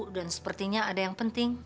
dan sepertinya ada yang penting